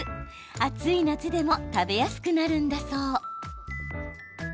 暑い夏でも食べやすくなるんだそう。